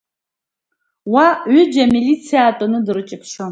Уа ҩыџьа амилициаа тәаны дырҷаԥшьон.